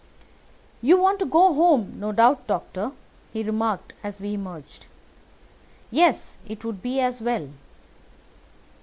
"You want to go home, no doubt, Doctor," he remarked as we emerged. "Yes, it would be as well."